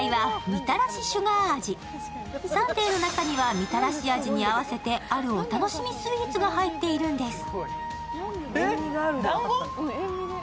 サンデーの中にはみたらし味に合わせてあるお楽しみスイーツが入っているんです。